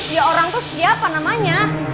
ya orang tuh siapa namanya